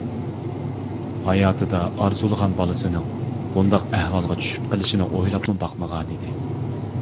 ھاياتىدا ئارزۇلىغان بالىسىنىڭ بۇنداق ئەھۋالغا چۈشۈپ قىلىشىنى ئويلاپمۇ باقمىغانىدى.